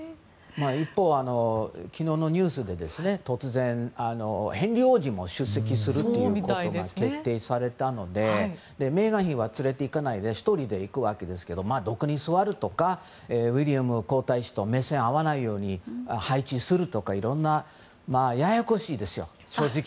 一方、昨日のニュースで突然、ヘンリー王子も出席するということが決定されたのでメーガン妃は連れていかないで１人で行くわけですけどどこに座るとかウィリアム皇太子と目線が合わないように配置するとか、いろんなややこしいですよ。